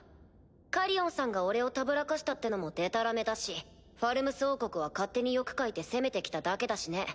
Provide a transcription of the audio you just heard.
カリオンさんが俺をたぶらかしたってのもデタラメだしファルムス王国は勝手に欲かいて攻めてきただけだしね。